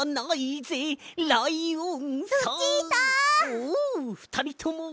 おうふたりとも。